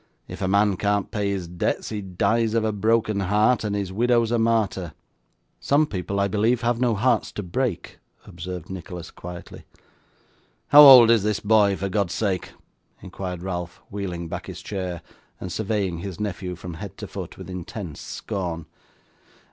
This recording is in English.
If a man can't pay his debts, he dies of a broken heart, and his widow's a martyr.' 'Some people, I believe, have no hearts to break,' observed Nicholas, quietly. 'How old is this boy, for God's sake?' inquired Ralph, wheeling back his chair, and surveying his nephew from head to foot with intense scorn.